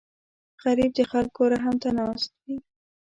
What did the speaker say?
غریب د خلکو رحم ته ناست وي